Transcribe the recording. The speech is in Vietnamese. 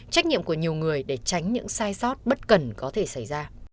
trách nhiệm của nhiều người để tránh những sai sót bất cần có thể xảy ra